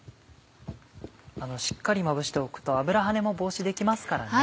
しっかりまぶしておくと油跳ねも防止できますからね。